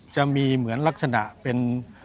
จะมีเหมือนลักษณะเป็น